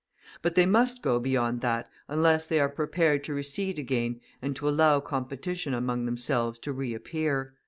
But they must go beyond that unless they are prepared to recede again and to allow competition among themselves to reappear.